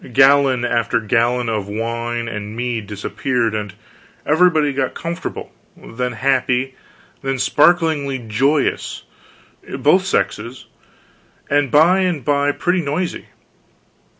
Gallon after gallon of wine and mead disappeared, and everybody got comfortable, then happy, then sparklingly joyous both sexes, and by and by pretty noisy.